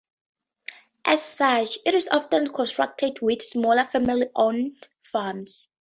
As such, it is often contrasted with smaller family-owned farms.